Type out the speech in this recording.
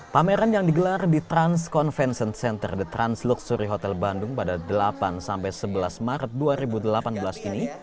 pameran yang digelar di trans convention center the trans luxury hotel bandung pada delapan sebelas maret dua ribu delapan belas ini